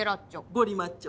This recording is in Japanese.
ゴリマッチョ。